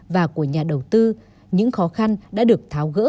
và của nhà đầu tư những khó khăn đã được tháo gỡ